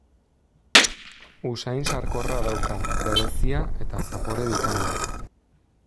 Usain sarkorra dauka, berezia, eta zapore bikaina.